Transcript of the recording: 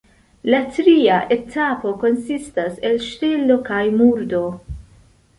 La tria etapo konsistas el ŝtelo kaj murdo.